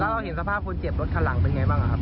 เราเห็นสภาพคุณเจ็บรถข้างหลังเป็นไงบ้าง